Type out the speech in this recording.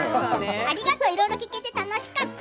ありがとういろいろ聞けて楽しかった。